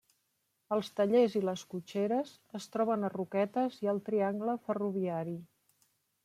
Els tallers i les cotxeres es troben a Roquetes i al Triangle Ferroviari.